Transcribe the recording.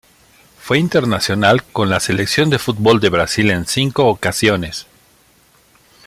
Fue internacional con la Selección de fútbol de Brasil en cinco ocasiones.